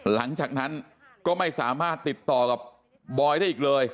หลังจากนั้นก็ไม่สามารถติดต่อกับบอยได้อีกเลย